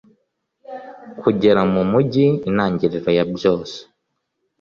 kugera mumujyi Intangiriro yabyose